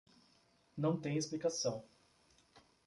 Não tem explicação.